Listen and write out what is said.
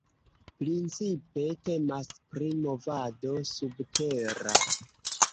Principe temas pri movado "subtera".